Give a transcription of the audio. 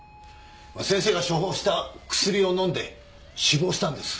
先生が処方した薬を飲んで死亡したんです。